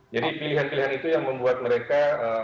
jadi pilihan pilihan itu yang membuat mereka